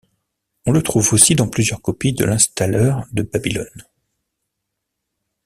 On le trouve aussi dans plusieurs copies de l'installeur de Babylon.